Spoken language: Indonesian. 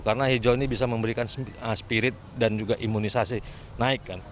karena hijau ini bisa memberikan spirit dan juga imunisasi naik